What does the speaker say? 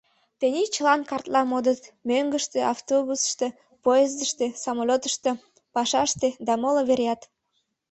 Тений чылан картла модыт: мӧҥгыштӧ, автобусышто, поездыште, самолетышто, пашаште да моло вереат.